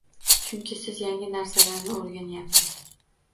Chunki siz yangi narsalarni o’rganayapsiz